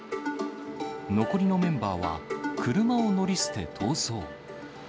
残りのメンバーは、車を乗り捨て、逃走。